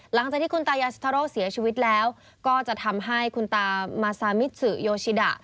หลังจากที่คุณตายาซิทาโร่เสียชีวิตแล้วก็จะทำให้คุณตามาซามิสือโยชิดะ